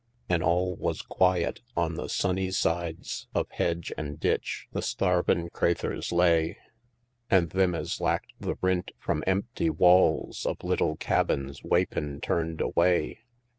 An' all was quiet on the sunny sides Of hedge an' ditch the stharvin' craythurs lay, An' thim as lack'd the rint from empty walls Of little cabins, wapin' turned away.